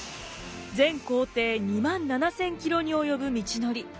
全行程２万７，０００キロに及ぶ道のり。